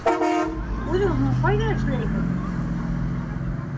Үҙең һуң ҡайҙа эшләйһең?